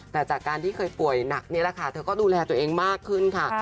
แต่จากการที่เคยป่วยหนักนี่แหละค่ะเธอก็ดูแลตัวเองมากขึ้นค่ะ